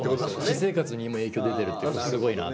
私生活にも影響出てるってすごいな。